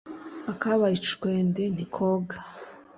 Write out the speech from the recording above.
akabaye icwende ntikoga